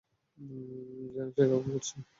যেন সে কাউকে খুঁজছে।